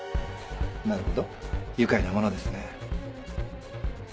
なるほど愉快なものですね。